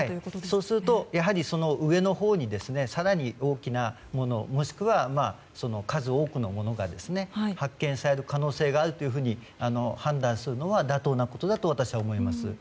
そうすると、上のほうに更に大きなものもしくは数多くのものが発見される可能性があるというふうに判断するのは妥当なことだと私は思います。